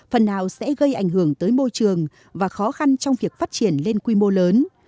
phần nào sẽ gây ảnh hưởng tới môi trường và khó khăn trong việc phát triển lên quy mô lớn